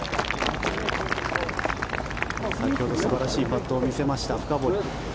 先ほど素晴らしいパットを見せました深堀。